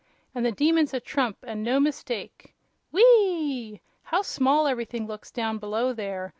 And the Demon's a trump, and no mistake. Whee ee! How small everything looks down below there.